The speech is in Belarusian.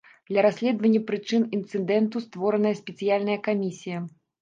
Для расследавання прычын інцыдэнту створаная спецыяльная камісія.